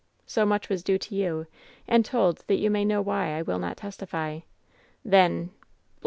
So much was due to you, and told that you may know why I will not testify." "Then !!